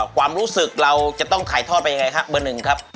ความรู้สึกเราจะต้องถ่ายทอดไปอย่างไรคะ